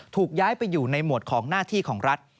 ถูกย้ายไปอยู่ในหมวดของหน้าที่ของรัฐ